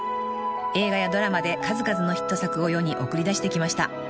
［映画やドラマで数々のヒット作を世に送り出してきました］